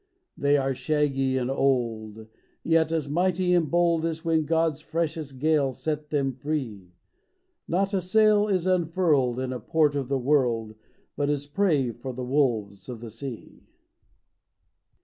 They are shaggy and old, yet as mighty and bold As when God's freshest gale set them free ; Not a sail is unfurled in a port of the world But is prey for the wolves of the Sea